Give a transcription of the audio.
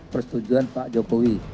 persetujuan pak jokowi